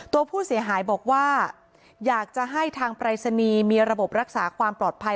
ตัวผู้เสียหายบอกว่าอยากจะให้ทางปรายศนีย์มีระบบรักษาความปลอดภัย